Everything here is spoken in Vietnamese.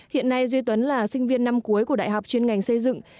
hiện nay duy tuấn là sinh viên năm cuối của đại học chuyên ngành xây dựng